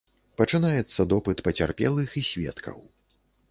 Пачынаецца допыт пацярпелых і сведкаў.